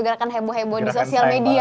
gerakan heboh heboh di sosial media